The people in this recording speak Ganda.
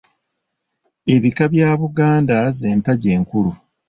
Ebika bya Buganda z’empagi enkulu.